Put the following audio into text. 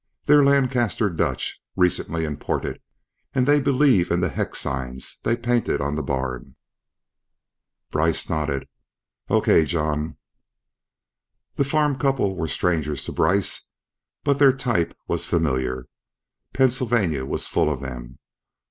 They're Lancaster Dutch, recently imported, and they believe in the hex signs they painted on the barn." Brice nodded. "Okay, John." The farm couple were strangers to Brice, but their type was familiar. Pennsylvania was full of them.